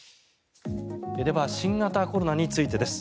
では、新型コロナについてです。